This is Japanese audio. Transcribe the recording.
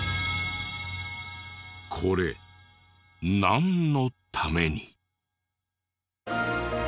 これなんのために？